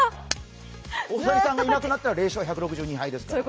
大谷さんがいなくなったら０勝１６２敗ですよ。